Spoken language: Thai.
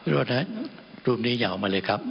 รูปนี้ยาวมาเลยครับ